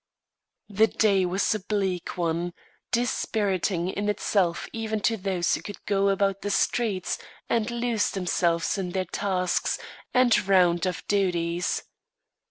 The day was a bleak one, dispiriting in itself even to those who could go about the streets and lose themselves in their tasks and round of duties.